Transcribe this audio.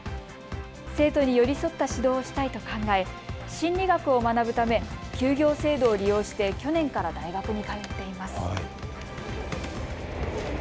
生徒に寄り添った指導をしたいと考え心理学を学ぶため休業制度を利用して去年から大学に通っています。